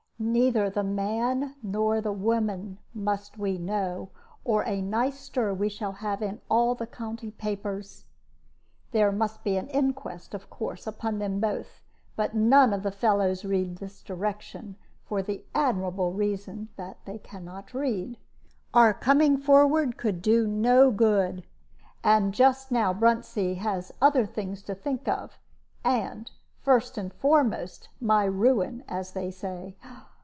Neither the man nor the woman must we know, or a nice stir we shall have in all the county papers. There must be an inquest, of course, upon them both; but none of the fellows read this direction, for the admirable reason that they can not read. Our coming forward could do no good, and just now Bruntsea has other things to think of; and, first and foremost, my ruin, as they say."